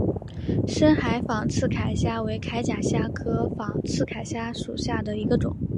深海仿刺铠虾为铠甲虾科仿刺铠虾属下的一个种。